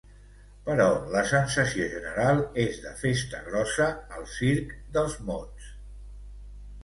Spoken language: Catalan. Però la sensació general és de festa grossa al circ dels mots.